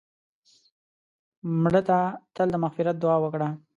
مړه ته تل د مغفرت دعا وکړه